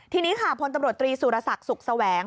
ทีนี้ค่ะพลตำรวจตรีสุรศักดิ์สุขแสวง